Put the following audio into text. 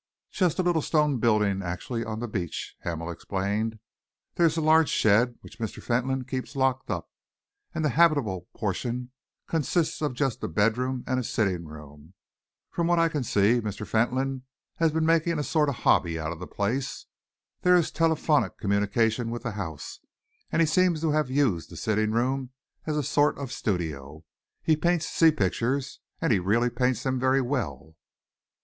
"Just a little stone building actually on the beach," Hamel explained. "There is a large shed which Mr. Fentolin keeps locked up, and the habitable portion consists just of a bedroom and sitting room. From what I can see, Mr. Fentolin has been making a sort of hobby of the place. There is telephonic communication with the house, and he seems to have used the sitting room as a sort of studio. He paints sea pictures and really paints them very well."